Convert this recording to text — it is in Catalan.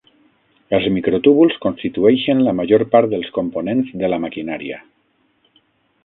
Els microtúbuls constitueixen la major part del components de la maquinària.